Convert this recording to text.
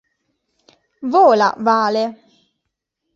Vola Vale